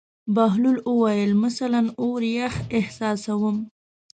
بهلول وویل: مثلاً اور یخ احساسوم.